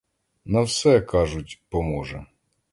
На все, кажуть, поможе.